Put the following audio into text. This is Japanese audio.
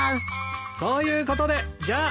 そういうことでじゃあ。